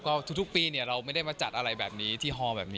ก็ทุกปีเนี่ยเราไม่ได้มาจัดอะไรแบบนี้ที่ฮอลแบบนี้